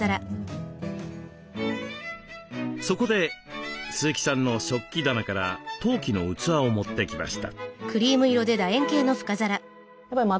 そこで鈴木さんの食器棚から陶器の器を持ってきました。